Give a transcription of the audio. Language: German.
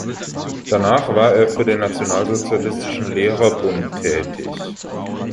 Danach war er für den Nationalsozialistischen Lehrerbund tätig.